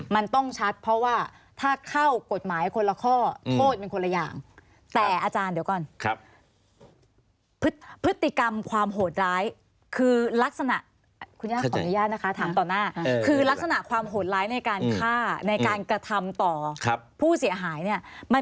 มันต้องชัดเพราะว่าถ้าเข้ากฎหมายคนละข้อโทษเป็นคนละอย่าง